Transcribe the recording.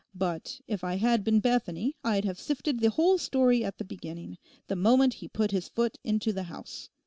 But if I had been Bethany I'd have sifted the whole story at the beginning, the moment he put his foot into the house.